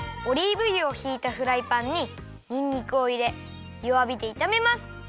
オリーブ油をひいたフライパンににんにくをいれよわびでいためます。